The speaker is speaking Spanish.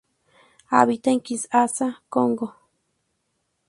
Habita en Kinshasa, Congo.